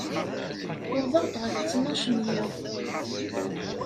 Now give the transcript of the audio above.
Uwḍeɣ-d ɣef ttnac n yiḍ.